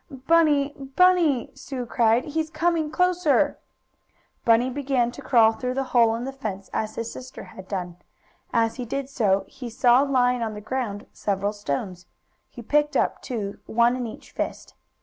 "Bunny! Bunny!" Sue cried. "He's coming closer!" Bunny began to crawl through the hole in the fence as his sister had done. As he did so, he saw, lying on the ground, several stones. He picked up two, one in each fist.